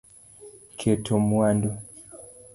Keto mwandu